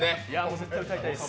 絶対歌いたいです。